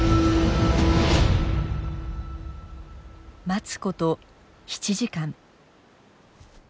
待つこと７時間。